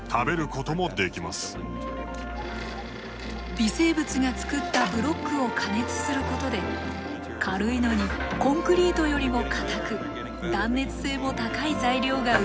微生物が作ったブロックを加熱することで軽いのにコンクリートよりも堅く断熱性も高い材料が生まれるのです。